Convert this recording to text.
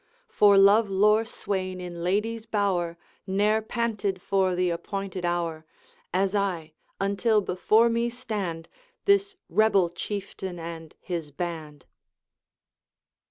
For love lore swain in lady's bower Ne'er panted for the appointed hour As I, until before me stand This rebel Chieftain and his band!'